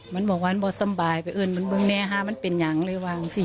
มันปะว้านบะสำบายไปเอิ้นแม้มันเนี้ยฮะมันเป็นยังเลยวางสิ